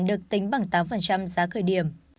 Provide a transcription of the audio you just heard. được tính bằng tám giá khởi điểm